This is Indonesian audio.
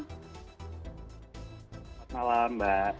selamat malam mbak